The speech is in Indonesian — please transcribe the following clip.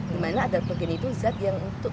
dimana adaptogen itu zat yang